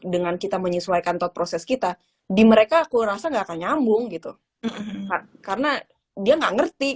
dengan kita menyesuaikan tod proses kita di mereka aku rasa nggak akan nyambung gitu karena dia nggak ngerti